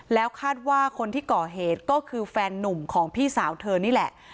แล้วคาดว่าคนที่ก่อเหตุก็คือแฟนนุ่มของพี่สาวเธอนี่แหละ